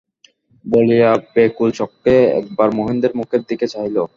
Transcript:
বলিয়া ব্যাকুলচক্ষে একবার মহেন্দ্রের মুখের দিকে চাহিল।